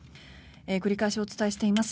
繰り返しお伝えしています。